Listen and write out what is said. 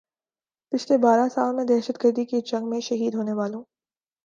پچھلے بارہ سال میں دہشت گردی کی جنگ میں شہید ہونے والوں